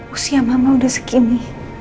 usia mama udah segini